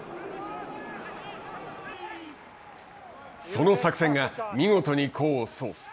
その作戦が見事に功を奏す。